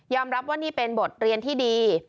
รับว่านี่เป็นบทเรียนที่ดี